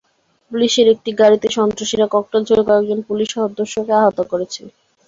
পুলিশের একটি গাড়িতে সন্ত্রাসীরা ককটেল ছুড়ে কয়েকজন পুলিশ সদস্যকে আহত করেছে।